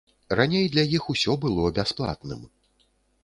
Раней для іх усё было бясплатным.